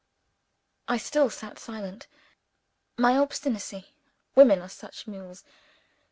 I still sat silent. My obstinacy women are such mules!